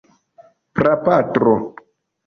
prapatro